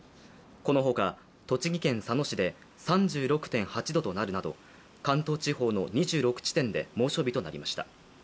このほか、栃木県佐野市で３６．８度となるなど関東地方の２６地点で猛暑日となりました。